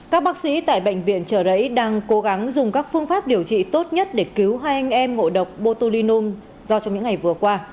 các bác sĩ tại bệnh viện trợ rẫy đang cố gắng dùng các phương pháp điều trị tốt nhất để cứu hai anh em ngộ độc botulinum do trong những ngày vừa qua